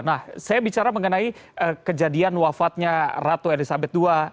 nah saya bicara mengenai kejadian wafatnya ratu elizabeth ii